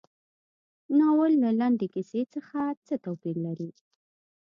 ناول له لنډې کیسې څخه څه توپیر لري.